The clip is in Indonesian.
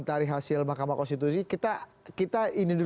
terima kasih bapak thyvi